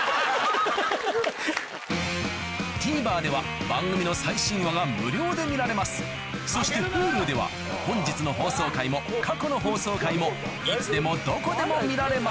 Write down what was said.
ＴＶｅｒでは番組の最新話が無料で見られますそしてＨｕｌｕでは本日の放送回も過去の放送回もいつでもどこでも見られます